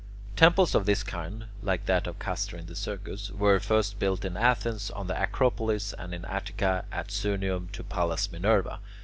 Temples of this kind, like that of Castor in the Circus, were first built in Athens on the Acropolis, and in Attica at Sunium to Pallas Minerva.